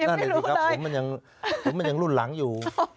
น่าจะได้ผมมันยังรุ่นหลังอยู่